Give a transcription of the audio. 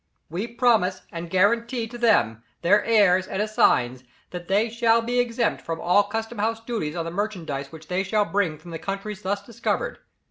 We promise and guarantee to them, their heirs and assigns, that they shall be exempt from all custom house duties on the merchandise which they shall bring from the countries thus discovered....